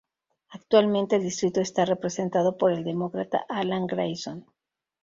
Actualmente el distrito está representado por el Demócrata Alan Grayson.